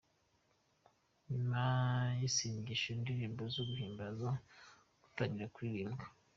Nyuma y’isengesho ,indirimbo zo guhinbaza zatangiye kuririmbwa.